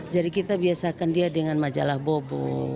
jadi kita biasakan dia dengan majalah bobo